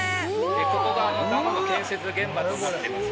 ここがダムの建設現場となってます。